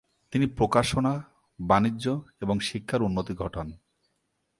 তিনি প্রকাশনা, বাণিজ্য এবং শিক্ষার উন্নতি ঘটান।